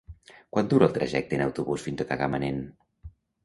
Quant dura el trajecte en autobús fins a Tagamanent?